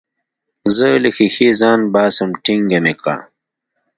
زه له ښيښې ځان باسم ټينګه مې که.